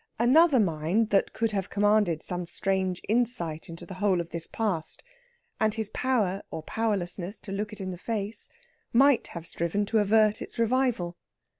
Another mind that could have commanded some strange insight into the whole of this past, and his power or powerlessness to look it in the face, might have striven to avert its revival.